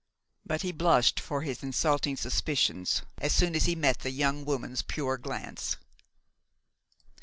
But he blushed for his insulting suspicions as soon as he met the young woman's pure glance.